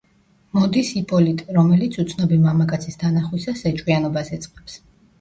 მოდის იპოლიტე, რომელიც, უცნობი მამაკაცის დანახვისას ეჭვიანობას იწყებს.